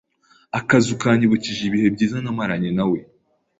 Akazu kanyibukije ibihe byiza namaranye na we.